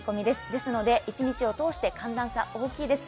ですので一日を通して寒暖差、大きいです。